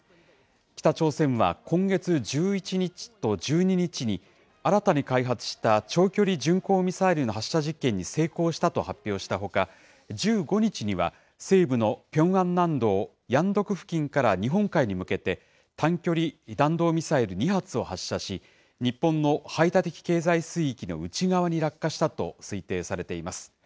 北朝鮮は今月１１日と１２日に、新たに開発した長距離巡航ミサイルの発射実験に成功したと発表したほか、１５日には、西部のピョンアン南道ヤンドク付近から日本海に向けて、短距離弾道ミサイル２発を発射し、日本の排他的経済水域の内側に落下したと推定されています。